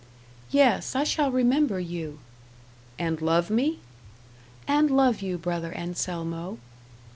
"Yes; I shall remember you." "And love me?" "And love you, Brother Anselmo."